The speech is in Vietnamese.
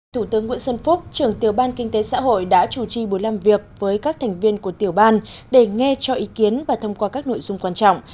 thủ tướng nguyễn xuân phúc trưởng tiểu ban kinh tế xã hội đã chủ trì buổi làm việc với các thành viên của tiểu ban để nghe cho ý kiến và thông qua các nội dung quan trọng